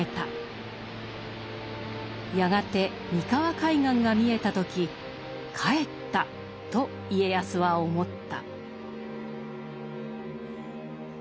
やがて三河海岸が見えた時「帰った」と家康は思った。